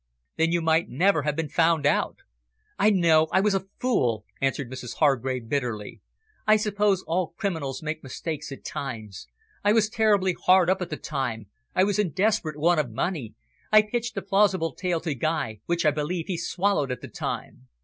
Then you might never have been found out." "I know I was a fool," answered Mrs Hargrave bitterly. "I suppose all criminals make mistakes at times. I was terribly hard up at the time; I was in desperate want of money. I pitched a plausible tale to Guy, which I believe he swallowed at the time."